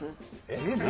えっ何？